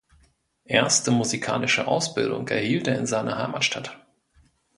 Erste musikalische Ausbildung erhielt er in seiner Heimatstadt.